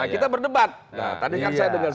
kita berdebat tadi kan saya dengar